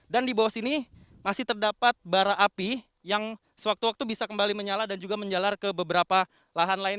dan di bawah sini masih terdapat bara api yang sewaktu waktu bisa kembali menyala dan juga menjalar ke beberapa lahan lain